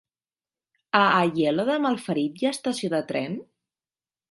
A Aielo de Malferit hi ha estació de tren?